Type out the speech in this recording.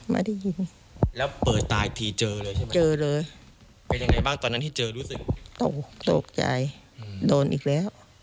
มันอยู่ตรงไหนล่ะ